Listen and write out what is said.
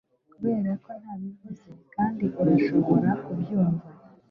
Kubera ko ntabivuze kandi urashobora kubyumva